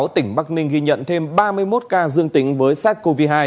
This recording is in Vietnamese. tỉnh bắc ninh ghi nhận thêm ba mươi một ca dương tính với sars cov hai